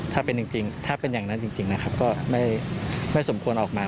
ถ้าเป็นจริงถ้าเป็นอย่างนั้นจริงนะครับก็ไม่สมควรออกมา